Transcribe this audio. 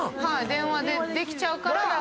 電話できちゃうから。